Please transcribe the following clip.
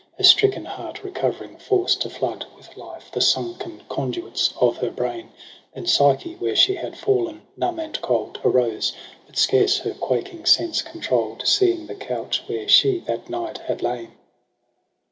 Her stricken heart recovering force to flood With life the sunken conduits of her brain, Then Psyche, where she had fallen, numb and cold Arose, but scarce her quaking sense control'd. Seeing the couch where she that night had lain.